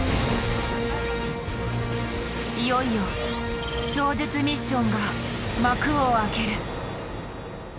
いよいよ超絶ミッションが幕を開ける。